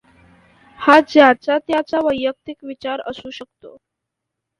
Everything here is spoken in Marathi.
हा ज्याचा त्याचा वैयक्तिक विचार असू शकतो.